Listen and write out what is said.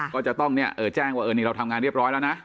ก็จะต้องแจ้งว่านี่เราทำงานเรียบร้อยแล้วนะ